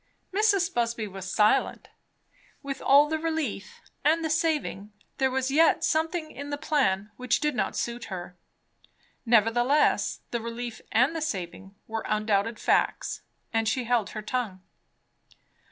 Mrs. Busby was silent. With all the relief and the saving, there was yet something in the plan which did not suit her. Nevertheless, the relief, and the saving, were undoubted facts; and she held her tongue.